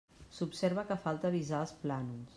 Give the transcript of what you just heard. S'observa que falta visar els plànols.